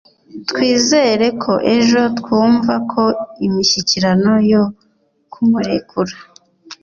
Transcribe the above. twizere ko ejo Twumva ko imishyikirano yo kumurekura